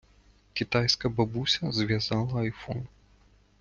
Китайська бабуся зв’язала айфон.